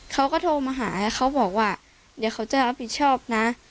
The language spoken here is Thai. เขาก็โทรมาหาเขาบอกว่าเดี๋ยวเขาจะรับผิดชอบนะ